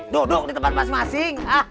duduk di tempat masing masing